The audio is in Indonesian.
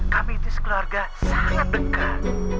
kami itu sekeluarga sangat dekat